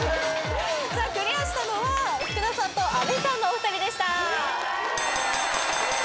さあクリアしたのは福田さんと阿部さんのお二人でした。